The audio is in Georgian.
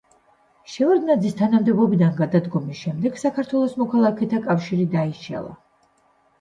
შევარდნაძის თანამდებობიდან გადადგომის შემდეგ საქართველოს მოქალაქეთა კავშირი დაიშალა.